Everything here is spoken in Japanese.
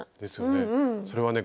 それはね